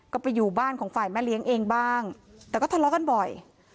ก็ไปอยู่บ้านของฝ่ายแม่เลี้ยงเองบ้างแต่ก็ทะเลาะกันบ่อย